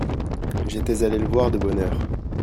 J'étais allé le voir de bonne heure.